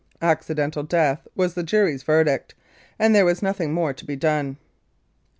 "Accidental death" was the jury's verdict, and there was nothing more to be done.